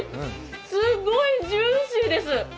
すっごいジューシーです。